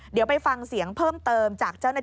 นี่ค่ะคุณผู้ชมพอเราคุยกับเพื่อนบ้านเสร็จแล้วนะน้า